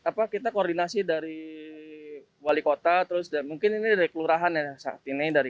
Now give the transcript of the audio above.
apa kita koordinasi dari wali kota terus dan mungkin ini dari kelurahan ya saat ini dari